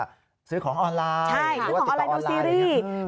ใช่ซื้อของออนไลน์โดยซีรีส์